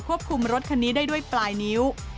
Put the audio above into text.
คุมรถคันนี้ได้ด้วยปลายนิ้ว